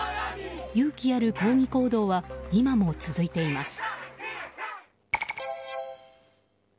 勇気ある抗議行動は今も続いています。